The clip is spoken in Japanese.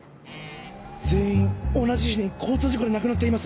全員同じ日に交通事故で亡くなっています。